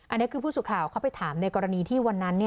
อันนี้คือผู้สื่อข่าวเขาไปถามในกรณีที่วันนั้น